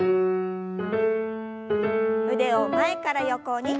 腕を前から横に。